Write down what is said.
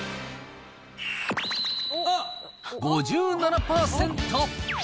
５７％。